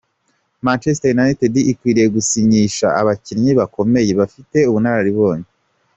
Manchester United ikwiriye gusinyisha abakinnyi bakomeye, bafite ubunararibonye.